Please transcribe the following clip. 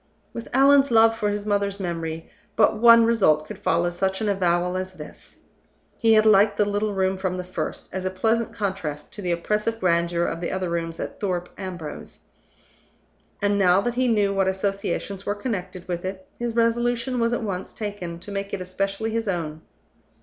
With Allan's love for his mother's memory, but one result could follow such an avowal as this. He had liked the little room from the first, as a pleasant contrast to the oppressive grandeur of the other rooms at Thorpe Ambrose, and, now that he knew what associations were connected with it, his resolution was at once taken to make it especially his own.